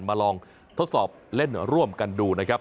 มาลองทดสอบเล่นร่วมกันดูนะครับ